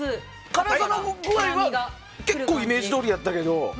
辛さの具合は結構イメージどおりやったけど。